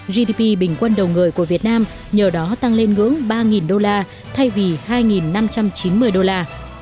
gdp bình quân đầu người của việt nam nhờ đó tăng lên ngưỡng ba đô la thay vì hai năm trăm chín mươi đô la